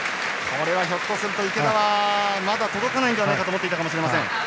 これはひょっとすると池田はまだ届かないんじゃないかと思っていたかもしれません。